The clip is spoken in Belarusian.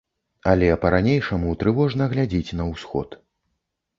Але па-ранейшаму трывожна глядзіць на ўсход.